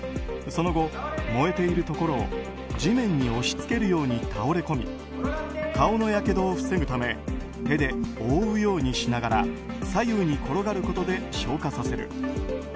その後、燃えているところを地面に押し付けるように倒れ込み顔のやけどを防ぐため手で覆うようにしながら左右に転がることで消火させる。